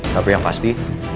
tapi yang pasti